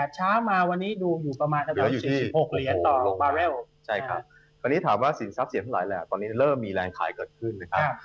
ใช่ครับตอนนี้ถามว่าสินทรัพย์เสี่ยงเท่าไรแหละตอนนี้เริ่มมีแรงขายเกิดขึ้นนะครับ